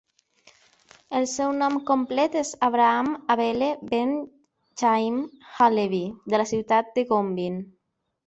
El seu nom complet és Avraham Abele ben Chaim HaLevi de la ciutat de Gombin.